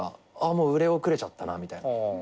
もう売れ遅れちゃったなみたいな。